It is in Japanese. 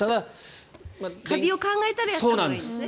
カビを考えたらやったほうがいいですね。